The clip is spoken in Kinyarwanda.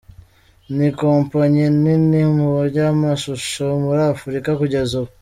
Ni kompanyi nini mu by’amashusho muri Afurika kugeza ubu.